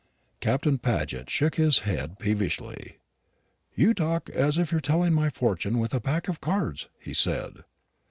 Captain Paget shook his head peevishly. "You talk as if you were telling my fortune with a pack of cards," he said.